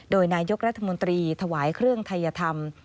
โดยนายกรัฐมนตรีถวายเครื่องทัยธรรม